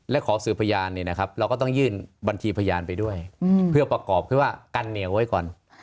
และขอสืบพยานเราก็ต้องยื่นบัญชีพยานไปด้วยเพื่อประกอบเพราะว่ากันเหนียวไว้ก่อน